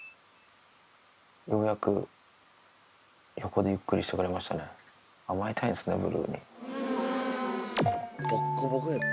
ようやく、横でゆっくりしてくれましたね、甘えたいんですね、ブルーに。